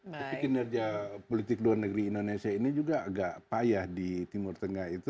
tapi kinerja politik luar negeri indonesia ini juga agak payah di timur tengah itu